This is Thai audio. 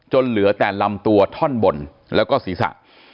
เหลือแต่ลำตัวท่อนบนแล้วก็ศีรษะ